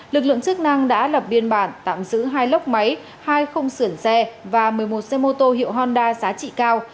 lực lượng chức năng đã lập biên bản tạm giữ hai lốc máy hai không sưởng xe và một mươi một xe mô tô hiệu honda giá trị cao